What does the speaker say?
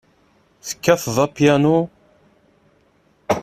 Tekkateḍ apyanu?